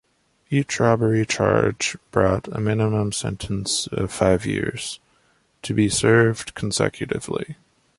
Each robbery charge brought a minimum sentence of five years, to be served consecutively.